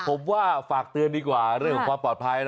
ผมว่าฝากเตือนดีกว่าเรื่องของความปลอดภัย